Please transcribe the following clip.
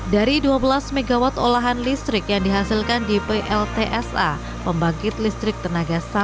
dari dua belas mw olahan listrik yang dihasilkan di pltsa